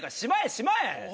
しまえ！